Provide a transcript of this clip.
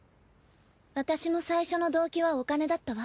私も最初の動機はお金だったわ。